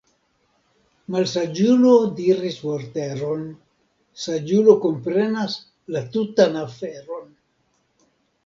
Malsaĝulo diris vorteron, saĝulo komprenas la tutan aferon.